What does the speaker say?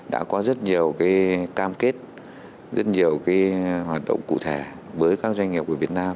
đã có rất nhiều cam kết rất nhiều hoạt động cụ thể với các doanh nghiệp của việt nam